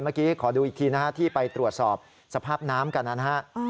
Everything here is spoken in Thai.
เมื่อกี้ขอดูอีกทีนะฮะที่ไปตรวจสอบสภาพน้ำกันนะฮะ